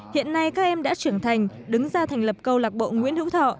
hiện nay các em đã trưởng thành đứng ra thành lập câu lạc bộ nguyễn hữu thọ